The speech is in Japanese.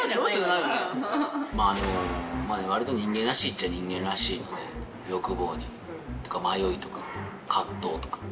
まあ割と人間らしいっちゃ人間らしいので欲望に迷いとか葛藤とか。